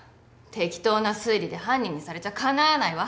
適当な推理で犯人にされちゃかなわないわ。